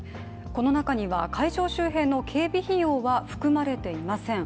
この中には、会場周辺の警備費用は含まれていません。